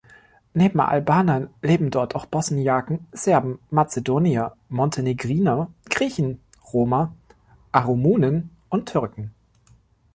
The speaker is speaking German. Neben Albanern leben dort auch Bosniaken, Serben, Mazedonier, Montenegriner, Griechen, Roma, Aromunen und Türken.